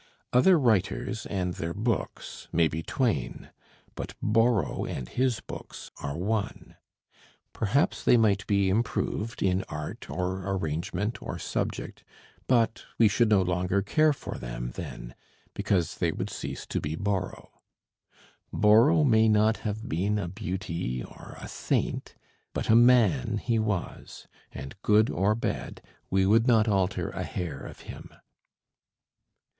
Other writers and their books may be twain, but Borrow and his books are one. Perhaps they might be improved in art, or arrangement, or subject; but we should no longer care for them then, because they would cease to be Borrow. Borrow may not have been a beauty or a saint; but a man he was; and good or bad, we would not alter a hair of him.